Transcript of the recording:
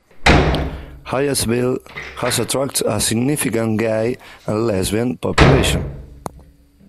Hyattsville has attracted a significant gay and lesbian population.